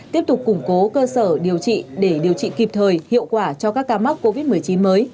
tiếp tục củng cố cơ sở điều trị để điều trị kịp thời hiệu quả cho các ca mắc covid một mươi chín mới